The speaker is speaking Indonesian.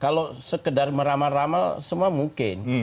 kalau sekedar meramal ramal semua mungkin